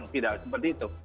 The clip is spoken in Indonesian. tidak seperti itu